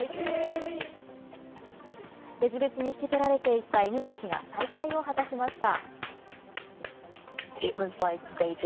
別々に引き取られていった犬たちが再会を果たしました。